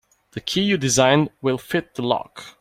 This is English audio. The key you designed will fit the lock.